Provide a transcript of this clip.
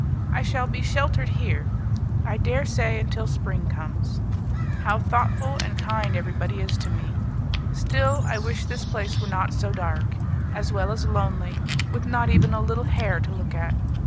I shall be sheltered here, I dare say, until spring comes. How thoughtful and kind everybody is to me! Still I wish this place were not so dark, as well as lonely, with not even a little hare to look at.